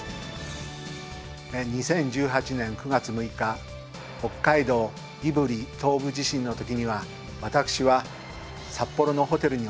２０１８年９月６日北海道胆振東部地震のときには私は札幌のホテルにいました。